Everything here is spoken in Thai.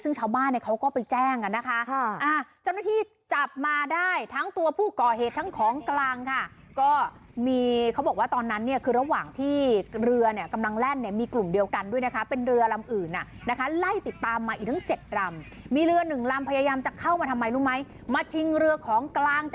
ซึ่งชาวบ้านเนี่ยเขาก็ไปแจ้งกันนะคะเจ้าหน้าที่จับมาได้ทั้งตัวผู้ก่อเหตุทั้งของกลางค่ะก็มีเขาบอกว่าตอนนั้นเนี่ยคือระหว่างที่เรือเนี่ยกำลังแล่นเนี่ยมีกลุ่มเดียวกันด้วยนะคะเป็นเรือลำอื่นอ่ะนะคะไล่ติดตามมาอีกทั้ง๗ลำมีเรือหนึ่งลำพยายามจะเข้ามาทำไมรู้ไหมมาชิงเรือของกลางจะ